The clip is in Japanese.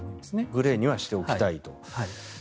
グレーにはしておきたいと。